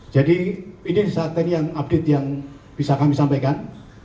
jadi ini saat ini update yang bisa kami sampaikan